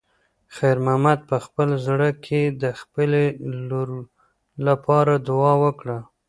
خیر محمد په خپل زړه کې د خپلې لور لپاره دعا وکړه.